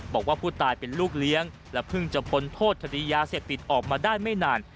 บอกว่าผู้ตายเป็นลูกเลี้ยงและเพิ่งจะพ้นโทษคดียาเสพติดออกมาได้ไม่นาน